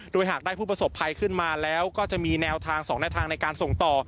โดยหากได้ผู้ประสบภัยขึ้นมาแล้วก็จะมีแนวทาง๒แนวทางในการส่งต่อ